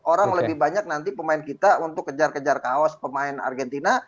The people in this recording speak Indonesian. orang lebih banyak nanti pemain kita untuk kejar kejar kaos pemain argentina